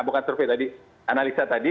bukan survei tadi analisa tadi